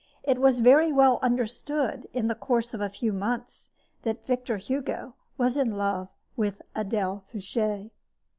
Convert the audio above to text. It was very well understood, in the course of a few months, that Victor Hugo was in love with Adele Foucher.